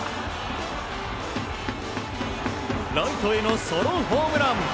ライトへのソロホームラン。